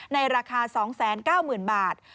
ในราคา๒๙๐๐๐บาท